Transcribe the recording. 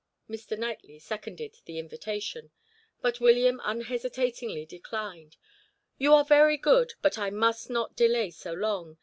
Mr. Knightley seconded the invitation, but William unhesitatingly declined. "You are very good, but I must not delay so long.